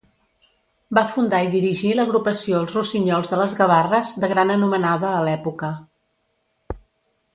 Va fundar i dirigir l'agrupació Els Rossinyols de les Gavarres de gran anomenada a l'època.